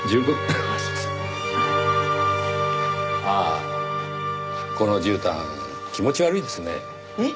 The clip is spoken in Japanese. ああこの絨毯気持ち悪いですね。